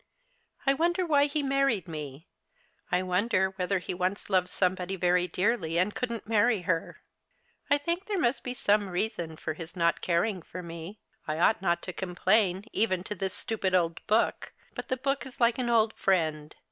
'• I wonder why he married me." " I wonder whether he once loved some body very dearly and couldn't marry her." " I think there must be some reason for his not caring for me. I ought not to complain, even to this stupid old book — but the book is like an old friend.